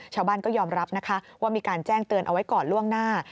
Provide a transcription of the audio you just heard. ชาวบ้านก็ยอมรับนะคะว่ามีการแจ้งเตือนเอาไว้ก่อนล่วงหน้า